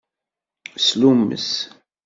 Slummes.